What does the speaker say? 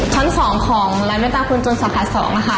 ช้อน๒ของร้านแว่นตาคนจนสาขา๒